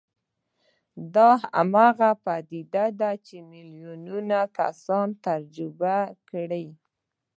دا هماغه پديده ده چې ميليونونه کسانو تجربه کړې.